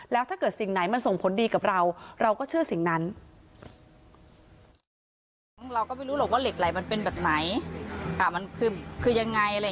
แล้วถ้าเกิดสิ่งไหนมันส่งผลดีกับเราเราก็เชื่อสิ่งนั้น